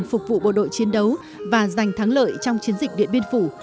phục vụ bộ đội chiến đấu và giành thắng lợi trong chiến dịch điện biên phủ